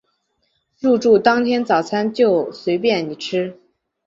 入住当天早餐就随便你吃